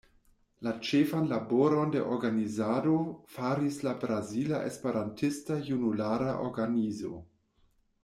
La ĉefan laboron de organizado faris la Brazila Esperantista Junulara Organizo.